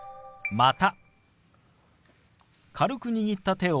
「また」。